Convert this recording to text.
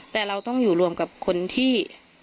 แต่เราต้องอยู่รวมกับคนที่